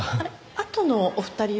あとのお二人は？